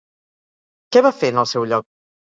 Què va fer en el seu lloc?